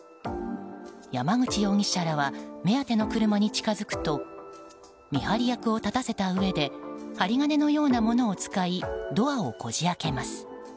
山口容疑者らは目当ての車に近づくと見張り役を立たせたうえで針金のようなものを使いドアをこじ開けます。